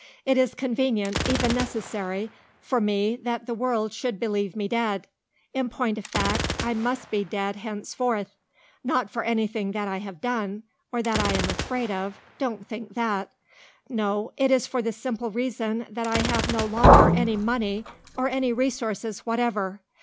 It is convenient even necessary for me that the world should believe me dead. In point of fact, I must be dead henceforth. Not for anything that I have done, or that I am afraid of don't think that. No; it is for the simple reason that I have no longer any money or any resources whatever.